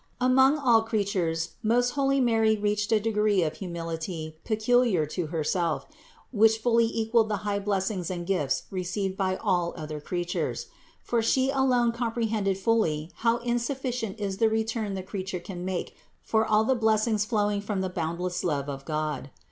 Among all creatures most holy Mary reached a degree of humility peculiar to Herself, which fully equalled the high blessings and gifts received by all other creatures ; for She alone comprehended fully how insuf ficient is the return the creature can make for all the blessings flowing from the boundless love of God.